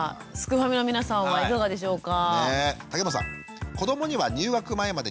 ファミの皆さんはいかがでしょうか？